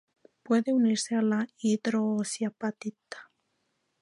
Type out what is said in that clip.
Puede unirse a la hidroxiapatita.